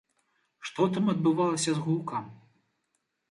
Што там адбывалася з гукам?